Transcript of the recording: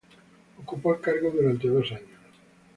Ocupó el cargo durante dos años.